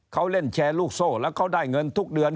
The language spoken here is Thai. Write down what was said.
เขาเล่นแชร์ลูกโซ่แล้วเขาได้เงินทุกเดือน